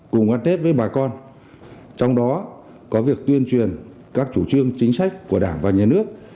cùng ăn tết với bà con trong đó có việc tuyên truyền các chủ trương chính sách của đảng và nhà nước